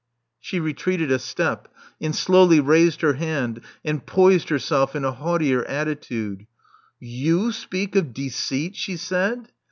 She retreated a step, and slowly raised her head and ])ois(Hl herself in a haughtier attitude. You speak of deceit!" she said.